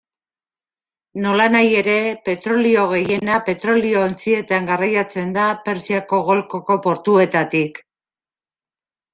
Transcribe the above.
Nolanahi ere, petrolio gehiena petrolio-ontzietan garraiatzen da, Persiako golkoko portuetatik.